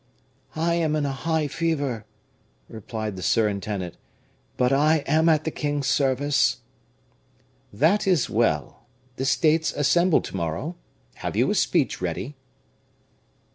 "I am in a high fever," replied the surintendant; "but I am at the king's service." "That is well; the States assemble to morrow; have you a speech ready?"